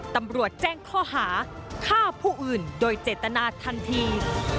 ตำรวจแจ้งข้อหาฆ่าผู้อื่นโดยเจตนาทันที